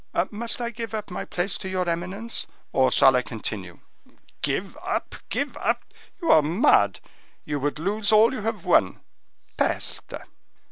"Must I give up my place to your eminence, or shall I continue?" "Give up! give up! you are mad. You would lose all you have won. Peste!"